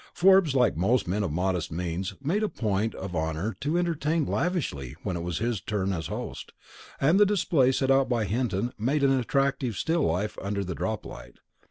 Forbes, like most men of modest means, made it a point of honour to entertain lavishly when it was his turn as host, and the display set out by Hinton made an attractive still life under the droplight.